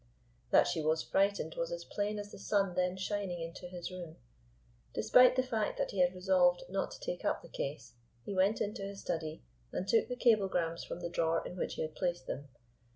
That she was frightened was as plain as the sun then shining into his room. Despite the fact that he had resolved not to take up the case, he went into his study, and took the cablegrams from the drawer in which he had placed them.